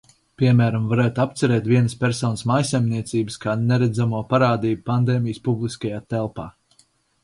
Piemēram, varētu apcerēt vienas personas mājsaimniecības kā neredzamo parādību pandēmijas publiskajā telpā.